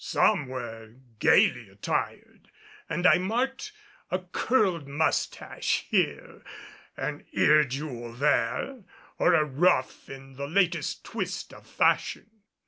Some were gaily attired and I marked a curled moustache here, an ear jewel there, or a ruff in the latest twist of fashion.